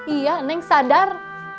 iya neng sadar